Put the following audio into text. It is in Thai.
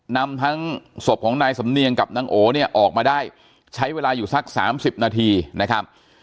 นำทั้งศพของนายสำเนียงกับนางโอเนี่ยออกมาได้ใช้เวลาอยู่สักสามสิบนาทีนะครับ